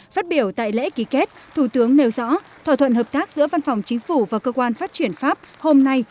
phát biểu tại lễ ký kết thủ tướng nêu rõ thỏa thuận hợp tác giữa văn phòng chính phủ và cơ quan phát triển pháp hôm nay